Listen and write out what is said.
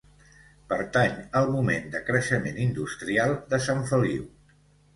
Pertany al moment de creixement industrial de Sant Feliu.